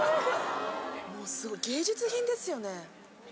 もうすごい芸術品ですよね。